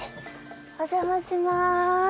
お邪魔します。